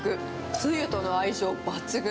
つゆとの相性抜群。